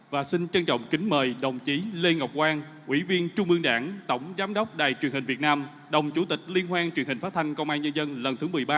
và xin trân trọng kính mời đồng chí lê ngọc quang ủy viên trung ương đảng tổng giám đốc đài truyền hình việt nam đồng chủ tịch liên hoan truyền hình phát thanh công an nhân dân lần thứ một mươi ba